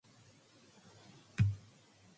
The handsets and bases were interchangeable.